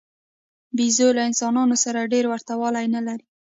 بیزو له انسانانو سره ډېره ورته والی نه لري.